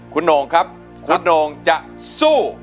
คุณโงค์ครับคุณโงค์จะสู้